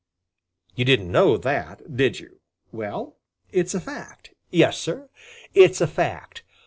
You didn't know that, did you? Well, it's a fact. Yes, Sir, it's a fact.